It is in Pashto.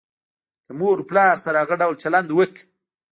له مور او پلار سره هغه ډول چلند وکړه.